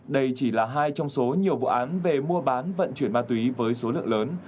đây chỉ là hai trong số nhiều vụ án về mua bán vận chuyển ma túy với số lượng lớn